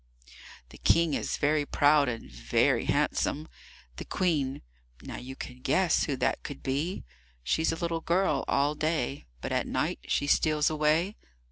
The King is very proud and very handsome; The Queen now you can quess who that could be (She's a little girl all day, but at night she steals away)?